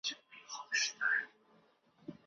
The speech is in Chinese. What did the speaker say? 室内体育馆银川二中设有一间多功能体育馆。